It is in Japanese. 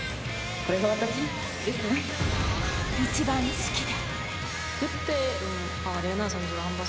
一番好きで。